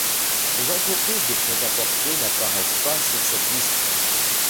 Les entreprises de prêt-à-porter n'apparaissent pas sur cette liste.